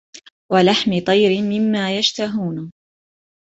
ولحم طير مما يشتهون